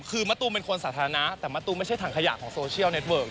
คือมะตูมเป็นคนสาธารณะแต่มะตูมไม่ใช่ถังขยะของโซเชียลเน็ตเวิร์ก